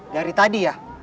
dari tadi ya